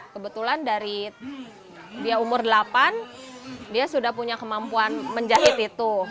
kebetulan dari dia umur delapan dia sudah punya kemampuan menjahit itu